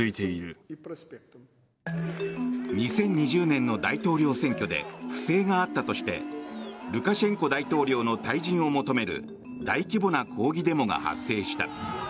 ２０２０年の大統領選挙で不正があったとしてルカシェンコ大統領の退陣を求める大規模な抗議デモが発生した。